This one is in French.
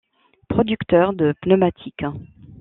Producteurs de pneumatiques.